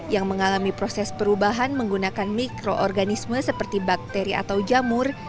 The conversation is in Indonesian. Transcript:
yang mengalami proses perubahan menggunakan mikroorganisme seperti bakteri atau jamur